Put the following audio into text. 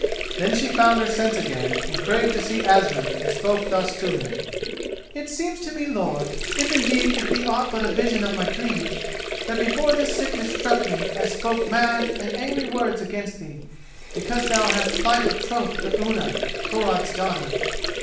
Then she found her sense again, and craved to see Asmund, and spoke thus to him: "It seems to me, lord, if indeed it be aught but a vision of my dreams, that before this sickness struck me I spoke mad and angry words against thee, because thou hast plighted troth to Unna, Thorod's daughter."